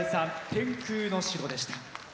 「天空の城」でした。